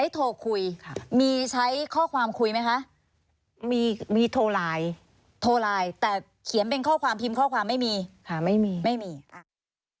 ถูกลอตเตอรี่รางวัลที่หนึ่ง